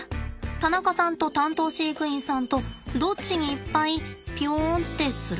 田中さんと担当飼育員さんとどっちにいっぱいぴょんってする？